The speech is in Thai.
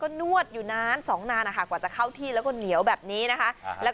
ก็นวดอยู่นาน๒นานขวาจะเข้าที่แล้วก็เหนียวแบบนี้นะคะแล้ว